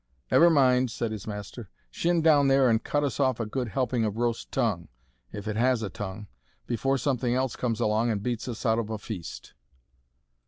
"Never mind," said his master. "Shin down there and cut us off a good helping of roast tongue, if it has a tongue, before something else comes along and beats us out of a feast."